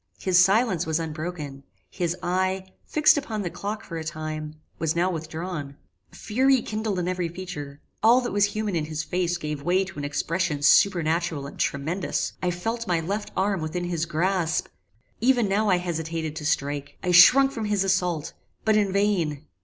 His silence was unbroken; his eye, fixed upon the clock for a time, was now withdrawn; fury kindled in every feature; all that was human in his face gave way to an expression supernatural and tremendous. I felt my left arm within his grasp. Even now I hesitated to strike. I shrunk from his assault, but in vain.